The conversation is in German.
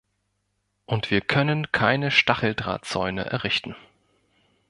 Und wir können keine Stacheldrahtzäune errichten.